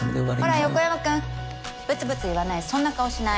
ほら横山君ぶつぶつ言わないそんな顔しない。